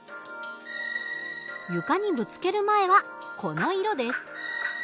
床にぶつける前はこの色です。